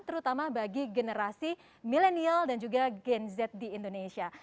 terutama bagi generasi milenial dan juga gen z di indonesia